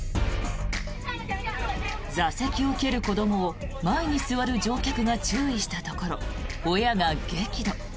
座席を蹴る子どもを前に座る乗客が注意したところ親が激怒。